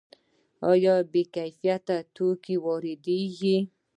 آیا بې کیفیته توکي وارد کیږي؟